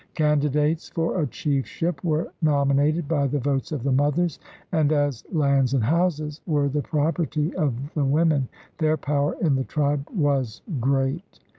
Candidates for a chiefship were nominated by the votes of the mothers, and, as lands and houses were the property of the women, their power in the tribe was great.